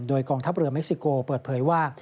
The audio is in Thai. โดยกองทัพเรือเม็กซิโกเปิดเผยว่า